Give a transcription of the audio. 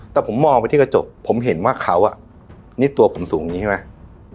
แต่ผมมองไปที่กระจกผมเห็นว่าเขาอ่ะนี่ตัวผมสูงอย่างนี้ใช่ไหม